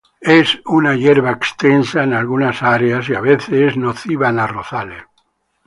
Es una hierba extensa en algunas áreas y a veces es nociva en arrozales.